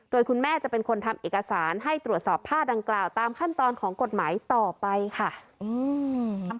โดยคุณแม่จะเป็นคนทำเอกสารให้ตรวจสอบผ้าดังกล่าวตามขั้นตอนของกฎหมายต่อไปค่ะอืม